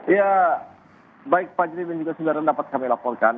ya baik pak juri dan juga saudara dapat kami laporkan